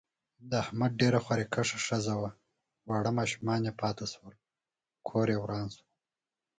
د احمد ډېره خواریکښه ښځه وه، واړه ماشومان یې پاتې شول. کوریې وران شو.